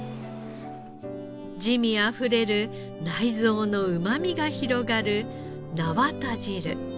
滋味あふれる内臓のうまみが広がるなわた汁。